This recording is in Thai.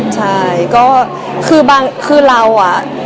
ใช่คือเรา